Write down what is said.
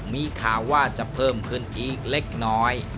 มีข่าวว่าจะเพิ่มขึ้นอีกเล็กน้อย